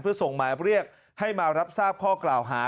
เพื่อส่งหมายเรียกให้มารับทราบข้อกล่าวหา